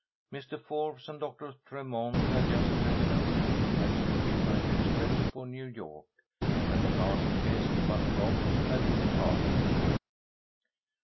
Mr. Forbes and Doctor Tremont had just driven away to catch the midnight express for New York, and the last guest but Rob had departed.